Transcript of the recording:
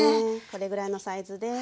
これぐらいのサイズです。